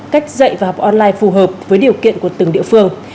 cách dạy và học online phù hợp với điều kiện của từng địa phương